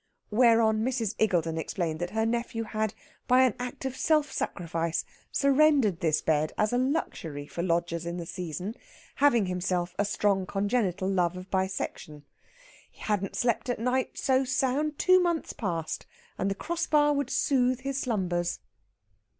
Whereon Mrs. Iggulden explained that her nephew had by an act of self sacrifice surrendered this bed as a luxury for lodgers in the season, having himself a strong congenital love of bisection. He hadn't slept nigh so sound two months past, and the crossbar would soothe his slumbers.